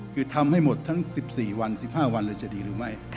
คือทำให้หมดทั้ง๑๔วัน๑๕วันเลยจะดีหรือไม่